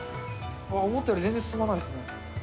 思ったより全然進まないですね。